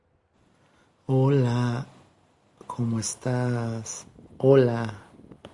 Guillermo iba en ese barco pero Matilda no.